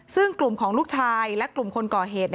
ซึ่งกลุ่มของลูกชายและกลุ่มคนก่อเหตุ